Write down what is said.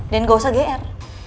dan gak usah gr